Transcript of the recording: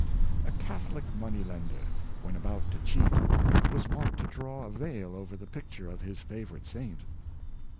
A Catholic money lender, when about to cheat, was wont to draw a veil over the pic ture of his favorite saint.